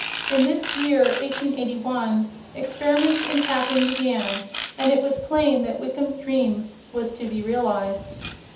In this year, 1881, experiments in tapping began, and it was plain that Wickham's dream was to be realized.